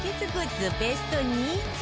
ベスト２０